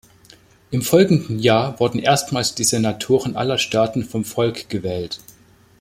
Im folgenden Jahr wurden erstmals die Senatoren aller Staaten vom Volk gewählt.